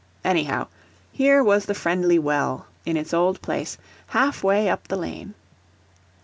Anyhow, here was the friendly well, in its old place, half way up the lane.